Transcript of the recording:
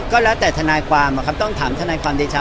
ก็แล้วแต่ทนายความต้องถามทนายความเดชา